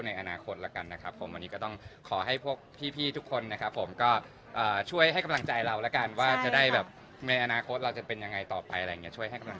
ในส่วนที่เขาพูดว่าเป็นตอนเหตุที่ทำให้เขาต้องเลียนจากใคร